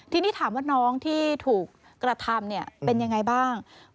ทีนี้ถามว่าน้องที่ถูกกระทำเป็นยังไงบ้าง